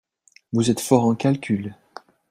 Vous êtes fort en calcul